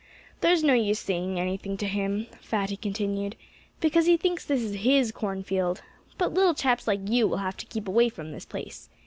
"There's no use saying anything to him," Fatty continued, "because he thinks this is his cornfield.... But little chaps like you will have to keep away from this place....